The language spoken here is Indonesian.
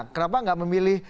kenapa nggak memilih